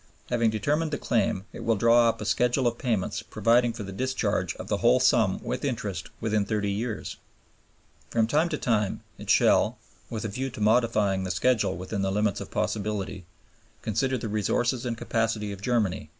Having determined the claim, it will draw up a schedule of payments providing for the discharge of the whole sum with interest within thirty years. From time to time it shall, with a view to modifying the schedule within the limits of possibility, "consider the resources and capacity of Germany